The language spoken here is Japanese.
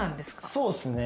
そうっすね。